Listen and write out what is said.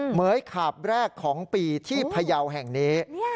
เหยขาบแรกของปีที่พยาวแห่งนี้